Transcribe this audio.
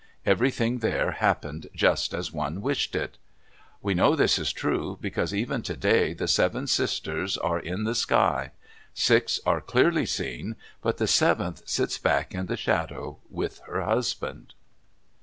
Everything there happened just as one wished it. We know this is true, because even today the seven sisters are in the sky. Six are clearly seen, but the seventh sits back in the shadow with her husband.